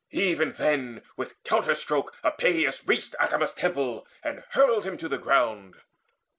Even then with counter stroke Epeius reached Acamas' temple, and hurled him to the ground.